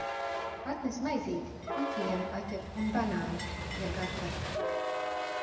Atnes maizīti! Un pienu paķer, un banānus. Ja gatavi.